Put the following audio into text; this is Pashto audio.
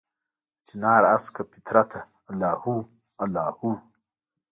دچنارهسکه فطرته الله هو، الله هو